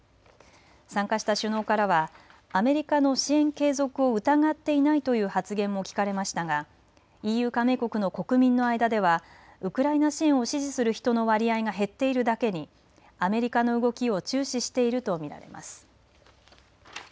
参加した首脳からはアメリカの支援継続を疑っていないという発言も聞かれましたがＥＵ加盟国の国民の間ではウクライナ支援を支持する人の割合が減っているだけにアメリカの動きを注視していると見られます。